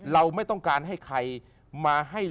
เราไม่ต้องการให้ใครมาให้